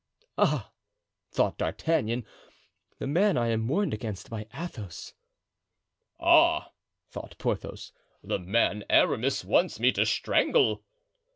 "Ah!" thought D'Artagnan, "the man I am warned against by Athos." "Ah!" thought Porthos, "the man Aramis wants me to strangle."